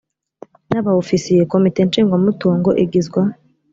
na ba ofisiye komite nshingwamutungo igizwa